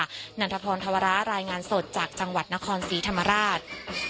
นันทพรธวระรายงานสดจากจังหวัดนครศรีธรรมราช